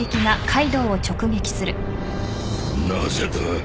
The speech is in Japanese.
なぜだ